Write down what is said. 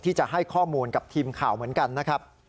ที่จะให้ข้อมูลกับทีมข่าวเหมือนกันนะครับ